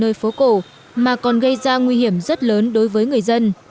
nơi phố cổ mà còn gây ra nguy hiểm rất lớn đối với người dân